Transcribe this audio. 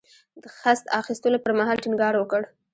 د خصت اخیستلو پر مهال ټینګار وکړ.